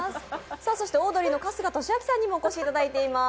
そしてオードリーの春日俊彰さんにもお越しいただいています。